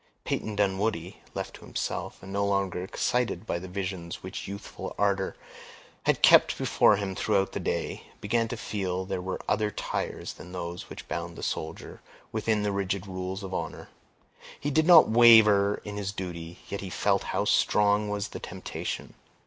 Peyton Dunwoodie, left to himself, and no longer excited by the visions which youthful ardor had kept before him throughout the day, began to feel there were other ties than those which bound the soldier within the rigid rules of honor. He did not waver in his duty, yet he felt how strong was the temptation.